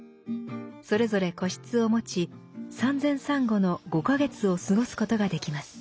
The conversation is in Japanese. それぞれ個室を持ち産前産後の５か月を過ごすことができます。